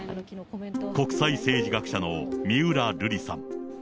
国際政治学者の三浦瑠璃さん。